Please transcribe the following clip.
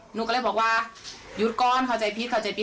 หนูก็เลยบอกว่าหยุดก้อนเข้าใจผิดเข้าใจผิด